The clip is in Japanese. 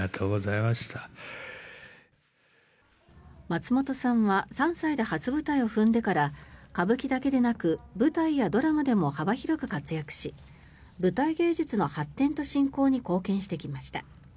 松本さんは３歳で初舞台を踏んでから歌舞伎だけでなく舞台やドラマでも幅広く活躍し舞台芸術の発展と振興に貢献してきました。